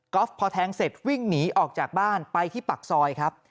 ก็พอแทงเสร็จวิ่งหนีออกจากบ้านไปที่ปากซอยครับ